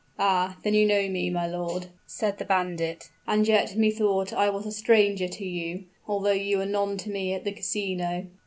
"Ah! then you know me, my lord?" said the bandit. "And yet methought I was a stranger to you, although you were none to me at the casino."